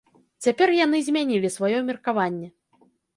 Цяпер яны змянілі сваё меркаванне.